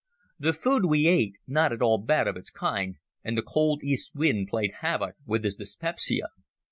The food we ate—not at all bad of its kind—and the cold east wind played havoc with his dyspepsia.